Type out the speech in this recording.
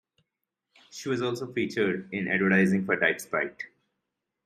She was also featured in advertising for Diet Sprite.